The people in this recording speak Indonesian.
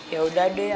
ya udah deh abah